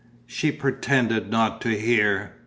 She pretended not to hear.